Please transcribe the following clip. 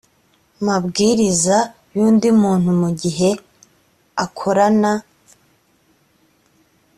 mabwiriza y undi muntu mu gihe akorana